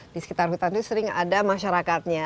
di sekitar hutan itu sering ada masyarakatnya